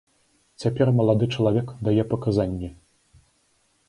Цяпер малады чалавек дае паказанні.